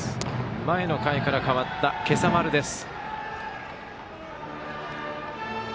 前の回から代わった今朝丸です。